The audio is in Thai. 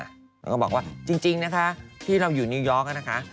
แล้วก็บอกว่าจริงนะคะที่เราอยู่นิวยอร์กนะคะ